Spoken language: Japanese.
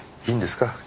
いいんですか？